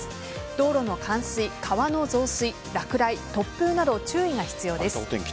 道路の冠水、川の増水落雷、突風など注意が必要です。